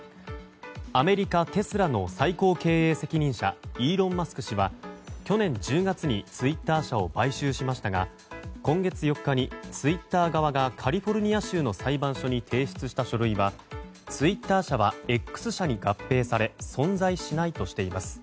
アメリカ、テスラの最高経営責任者イーロン・マスク氏は去年１０月にツイッター社を買収しましたが今月４日にツイッター側がカリフォルニア州の裁判所に提出した書類はツイッター社はＸ社に合併され存在しないとしています。